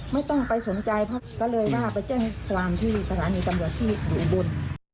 ไม่ต้องไปสนใจเพราะก็เลยว่าไปเจ้าให้ความที่สถานีตำรวจที่อยู่บน